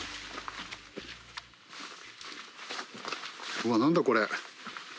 うわっ何だ？これ。